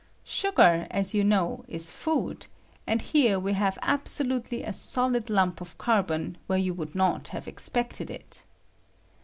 Sugar, as you know, is food, and here we have absolutely a solid lump of carbon where you would not have expected it.